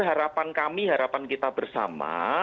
harapan kami harapan kita bersama